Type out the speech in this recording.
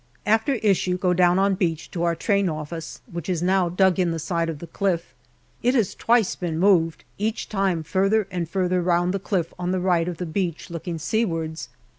After issue, go down on beach to our Train office, which is now dug in the side of the cliff . It has twice been moved, each time farther and farther round the cliff on the right of the beach looking seawards.